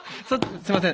すみません